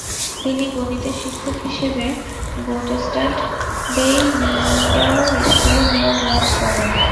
তিনি গণিতের শিক্ষক হিসেবে গোট্স্টাড বেই নিডাউ স্কুলে নিয়োগ লাভ করেন।